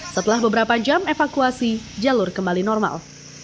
setelah beberapa jam evakuasi jalur kembali normal